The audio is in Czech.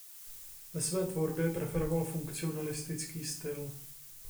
Ve své tvorbě preferoval funkcionalistický styl.